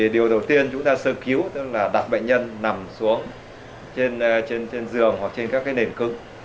điều đầu tiên chúng ta sơ cứu tức là đặt bệnh nhân nằm xuống trên giường hoặc trên các nền cứng